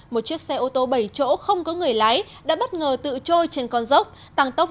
một chiếc xe ô tô bảy chỗ không có người lái đã bất ngờ tự trôi trên con dốc